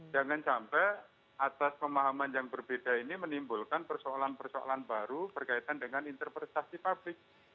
jangan sampai atas pemahaman yang berbeda ini menimbulkan persoalan persoalan baru berkaitan dengan interpretasi publik